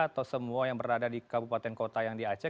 atau semua yang berada di kabupaten kota yang di aceh